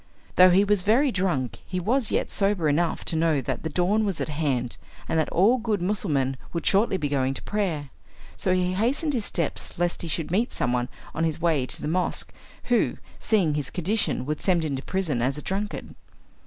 Though he was very drunk, he was yet sober enough to know that the dawn was at hand, and that all good Mussulmen would shortly be going to prayer. So he hastened his steps lest he should meet some one on his way to the mosque, who, seeing his condition, would send him to prison as a drunkard.